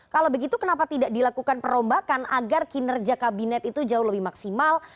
kalau begitu kenapa tidak dilakukan perombakan agar kinerja kabinet itu jauh lebih maksimal